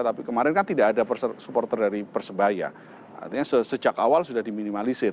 tapi kemarin kan tidak ada supporter dari persebaya artinya sejak awal sudah diminimalisir